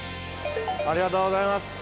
ありがとうございます。